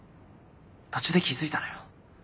途中で気付いたのよ。